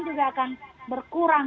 juga akan berkurang